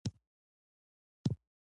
بايسکل او موټر سايکل دواړه ګټور دي.